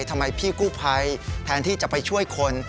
ทำไมพี่กู้ภัยแทนที่จะไปช่วยคน